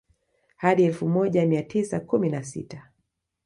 Hadi elfu moja mia tisa kumi na sita